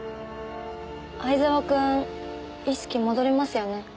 藍沢くん意識戻りますよね？